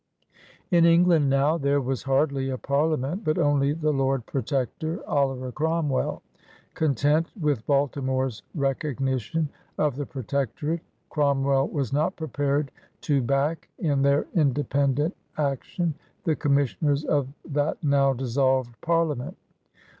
In England now there was hardly a Parliament, but only the Lord Protector, Oliver Cromwell. Content with Baltimore's recognition of the Pro tectorate, Cromwell was not prepared to back, in their independent action, the Commissioners of that now dissolved Parliament.